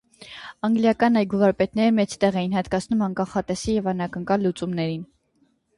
Անգլիական այգու վարպետները մեծ տեղ էին հատկացնում անկանխատեսելի և անակնկալ լուծումներին։